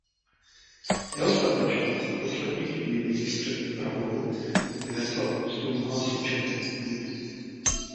Jeho statečnost v posledních chvílích před popravou mu vynesla úctu mnoha současníků.